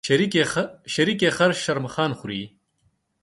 شريکي خر شرمښآن خوري.